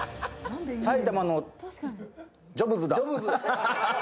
埼玉のジョブズだ。